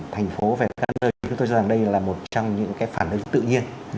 thành phố về các nơi chúng tôi cho rằng đây là một trong những cái phản ứng tự nhiên